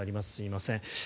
すいません。